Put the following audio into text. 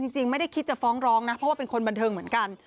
จริงไม่ได้คิดจะฟ้องร้องนะเพราะว่าเป็นคนบันเทิงเหมือนกัน